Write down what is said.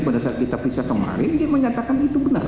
pada saat kita periksa kemarin dia menyatakan itu benar